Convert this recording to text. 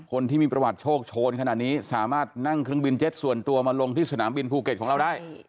คนที่มีประวัติโชคโชนขนาดนี้สามารถนั่งเครื่องบินเจ็ตส่วนตัวมาลงที่สนามบินภูเก็ตของเราได้